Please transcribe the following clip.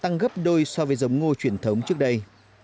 tăng gấp đôi so với giống ngô truyền thống trước đây